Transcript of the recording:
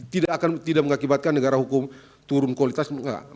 tidak mengakibatkan negara hukum turun kualitas